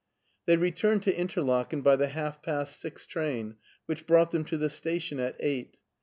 They returned to Interlaken by the half past six train, which brought them to the station at eight.